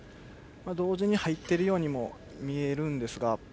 同時に入っているようにも見えるんですが。